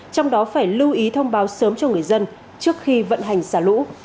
trong đó phải lưu ý thông báo sớm cho người dân trước khi vận hành xả lũ